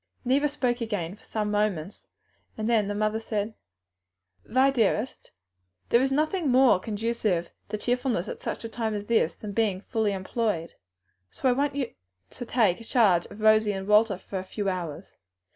Neither spoke again for some moments, then the mother said, "Vi, dearest, there is nothing more conducive to cheerfulness at such a time as this than being fully employed. So I ask you to take charge of Rosie and Walter for a few hours.